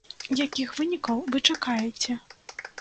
Якіх вынікаў вы чакаеце?